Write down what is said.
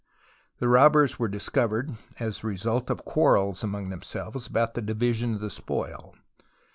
The robbers were dis covered as the result of (piarrels among them selves about the division of the spoil.